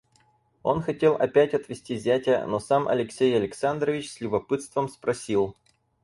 Он хотел опять отвести зятя, но сам Алексей Александрович с любопытством спросил.